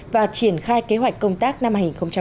và triển khai kế hoạch công tác năm hai nghìn một mươi bảy